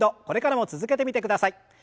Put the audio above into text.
これからも続けてみてください。